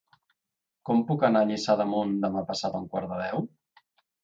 Com puc anar a Lliçà d'Amunt demà passat a un quart de deu?